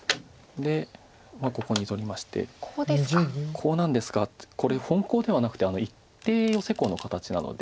コウなんですがこれ本コウではなくて一手ヨセコウの形なので。